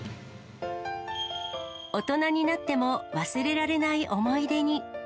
大人になっても忘れられない思い出に。